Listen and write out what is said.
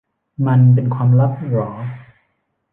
มันเป็นความลับหรอ